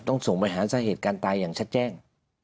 ส่งไปหาสาเหตุการณ์ตายอย่างชัดแจ้ง